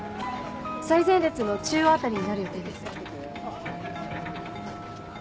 最前列の中央辺りになる予定です。